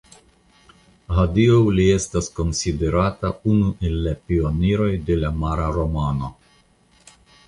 Hodiaŭ li estas konsiderata unu el la pioniroj de la mara romano.